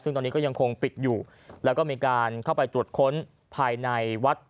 ซึ่งตอนนี้ก็ยังคงปิดอยู่แล้วก็มีการเข้าไปตรวจค้นภายในวัด